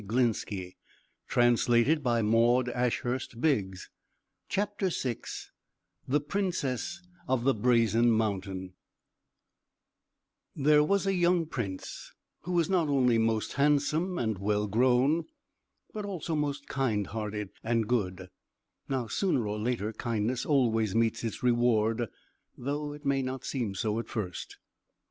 [Illustration: THE FIGHT FOR THE MAGIC BOOTS] THE PRINCESS OF THE BRAZEN MOUNTAIN There was a young prince, who was not only most handsome and well grown, but also most kind hearted and good. Now sooner or later kindness always meets its reward, though it may not seem so at first.